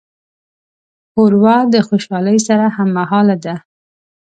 ښوروا د خوشالۍ سره هممهاله ده.